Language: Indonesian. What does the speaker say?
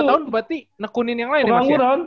itu dua tahun berarti nekunin yang lain ya mas